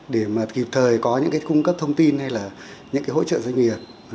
để mà kịp thời có những cái cung cấp thông tin hay là những cái hỗ trợ doanh nghiệp